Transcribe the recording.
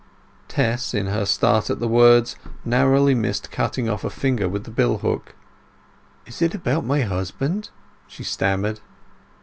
Tess, in her start at the words, narrowly missed cutting off a finger with the bill hook. "Is it about my husband?" she stammered.